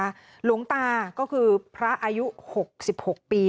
หลวงตาก็คือพระอายุ๖๖ปี